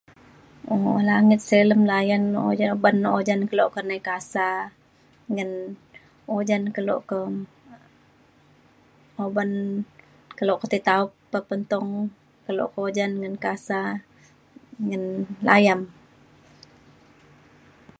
o langit silem layan ujan oban ujan kelo ke nai ka sa ngan ujan kelo ke uban kelo ke tei taup pe pentung kelo pa ujan ngan kasa ngan layam